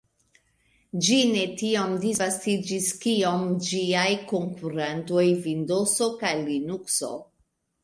Ĝi ne tiom disvastiĝis kiom ĝiaj konkurantoj Vindozo kaj Linukso.